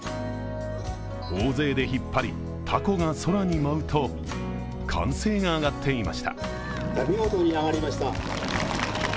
大勢で引っ張り、たこが空に舞うと歓声が上がっていました。